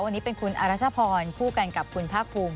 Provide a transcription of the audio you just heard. วันนี้เป็นคุณอรัชพรคู่กันกับคุณภาคภูมิ